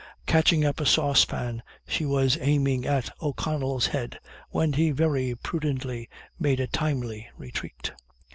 Catching up a saucepan, she was aiming at O'Connell's head, when he very prudently made a timely retreat.